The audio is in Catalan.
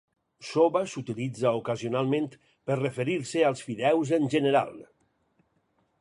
"Soba" s'utilitza ocasionalment per referir-se als fideus en general.